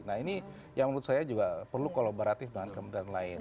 nah ini yang menurut saya juga perlu kolaboratif dengan kementerian lain